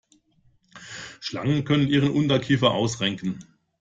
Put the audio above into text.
Schlangen können ihren Unterkiefer ausrenken.